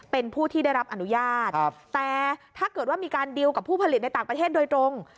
เป็นผู้ที่ได้รับอนุญาตแต่ถ้าเกิดว่ามีการดีลกับผู้ผลิตในต่างประเทศโดยตรง